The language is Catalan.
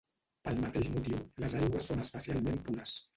Pel mateix motiu, les aigües són especialment pures.